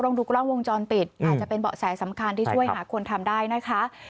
ดูกล้องวงจรปิดอาจจะเป็นเบาะแสสำคัญที่ช่วยหาคนทำได้นะคะ